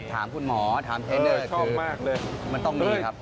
ถามคุณหมอถามเทรนเนอร์มันต้องมีครับ